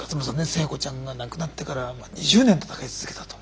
星子ちゃんが亡くなってから２０年闘い続けたと。